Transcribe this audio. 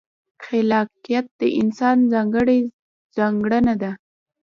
خلاقیت د انسان ځانګړې ځانګړنه ده.